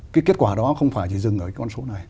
cái kết quả đó không phải chỉ dừng ở cái con số này